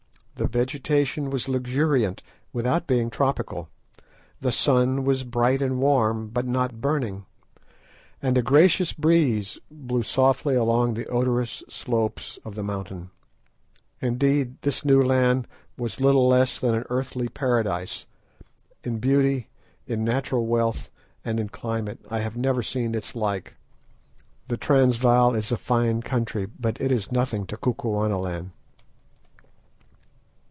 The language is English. The vegetation was luxuriant, without being tropical; the sun was bright and warm, but not burning; and a gracious breeze blew softly along the odorous slopes of the mountains. Indeed, this new land was little less than an earthly paradise; in beauty, in natural wealth, and in climate I have never seen its like. The Transvaal is a fine country, but it is nothing to Kukuanaland.